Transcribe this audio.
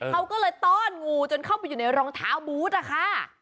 เขาก็เลยต้อนงูจนเข้าไปอยู่ในรองเท้าบูธนะคะ